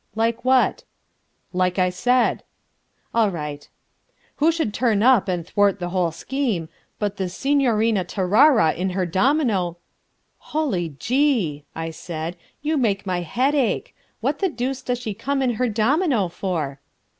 "Like what?" "Like I said." "All right." "Who should turn up and thwart the whole scheme, but this Signorina Tarara in her domino...." "Hully Gee!" I said, "you make my head ache. What the deuce does she come in her domino for?"